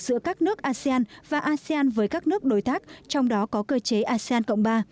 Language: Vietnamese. giữa các nước asean và asean với các nước đối tác trong đó có cơ chế asean cộng ba